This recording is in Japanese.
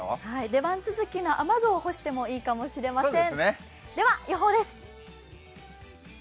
出番続きの雨具を干してもいいかもしれません。